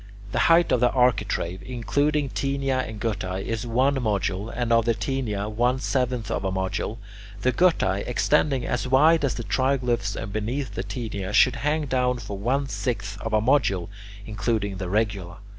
The height of the architrave, including taenia and guttae, is one module, and of the taenia, one seventh of a module. The guttae, extending as wide as the triglyphs and beneath the taenia, should hang down for one sixth of a module, including their regula.